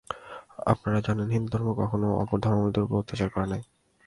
আপনারা জানেন, হিন্দুধর্ম কখনও অপর ধর্মাবলম্বীদের উপর অত্যাচার করে নাই।